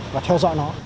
và theo dõi nó